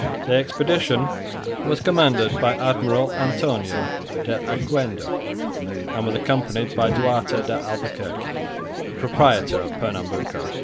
The expedition was commanded by Admiral Antonio de Oquendo, and was accompanied by Duarte de Albuquerque, the proprietor of Pernambuco.